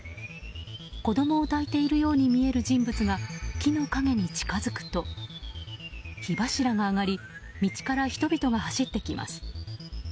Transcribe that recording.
子供を抱いているように見える人物が木の陰に近づくと火柱が上がり道から人々が走ってきます。